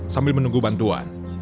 sambil menunggu bantuan